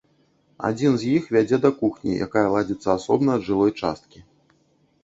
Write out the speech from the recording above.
Адзін з іх вядзе да кухні, якая ладзіцца асобна ад жылой часткі.